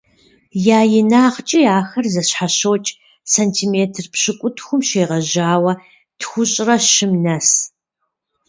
Я инагъкIи ахэр зэщхьэщокI сантиметр пщыкIутхум щегъэжьауэ тхущIрэ щым нэс.